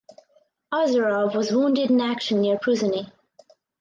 Ozerov was wounded in action near Pruzhany.